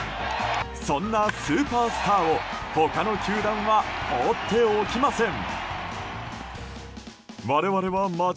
そんなスーパースターを他の球団は放っておきません。